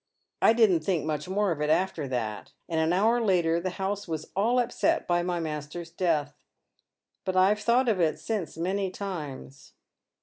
I didn't think nmch more of it after that, and an hour later the house was all upset by my master's death. But I've thought of it since many times."